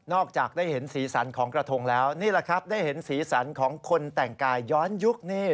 จากได้เห็นสีสันของกระทงแล้วนี่แหละครับได้เห็นสีสันของคนแต่งกายย้อนยุคนี่